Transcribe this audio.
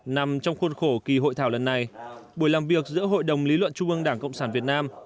nằm trong khuôn khổ kỳ hội thảo lần này buổi làm việc giữa hội đồng lý luận trung ương đảng cộng sản việt nam